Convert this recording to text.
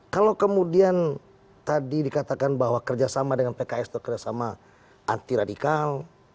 kalau kemudian tadi dikatakan bahwa kerjasama dengan pks itu kerjasama anti radikal